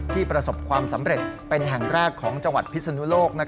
ประสบความสำเร็จเป็นแห่งแรกของจังหวัดพิศนุโลก